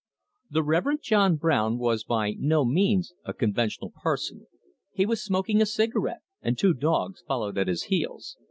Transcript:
The Rev. John Brown was by no means a conventional parson. He was smoking a cigarette, and two dogs followed at his heels.